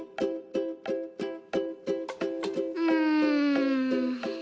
うん。